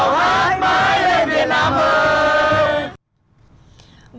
tự hào hát mãi lên việt nam ơi